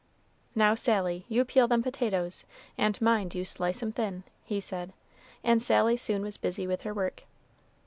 "Now, Sally, you peel them potatoes, and mind you slice 'em thin," he said, and Sally soon was busy with her work.